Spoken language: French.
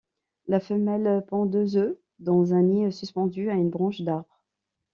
La femelle pond deux œufs dans un nid suspendu à une branche d'arbre.